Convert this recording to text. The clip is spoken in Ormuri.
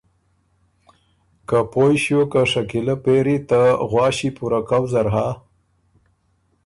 که پویٛݭیوک که شکیلۀ پېری ته غواݭی پُورۀ کؤ زر هۀ۔